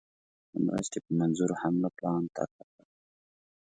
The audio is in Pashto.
د مرستي په منظور حمله پلان طرح کړ.